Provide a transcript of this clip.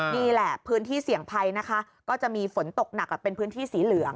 นี่แหละพื้นที่เสี่ยงภัยนะคะก็จะมีฝนตกหนักเป็นพื้นที่สีเหลือง